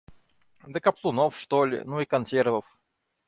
Да каплунов, что ли, ну и консервов.